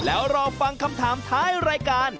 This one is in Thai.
แล้วรอฟังคำถามท้ายรายการ